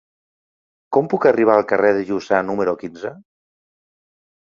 Com puc arribar al carrer de Lluçà número quinze?